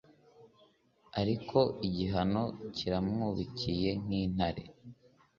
ariko igihano kiramwubikiye nk'intare